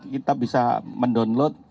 kita bisa mendownload